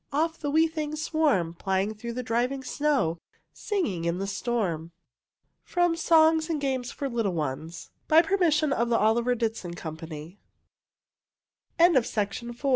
Off the wee things swarm, Plying through the driving snow, Singing in the storm. From "Songs and Games for Little Ones," by permission of Oliver Ditson Company, owners of the copyrig